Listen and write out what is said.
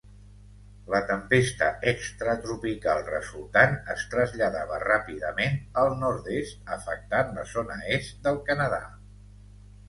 La tempesta extratropical resultant es traslladava ràpidament al nord-est, afectant la zona est del Canadà.